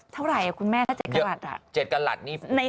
ถ้าเจ็ดกระหลาดอ่ะ๗กรัตด้วยกัน